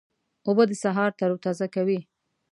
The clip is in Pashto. اوبه د سهار تروتازه کوي.